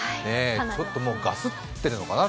ちょっとガスってるのかな。